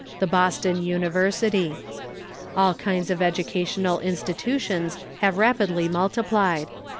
The Boston University. All kinds of educational institutions have rapidly multiplied.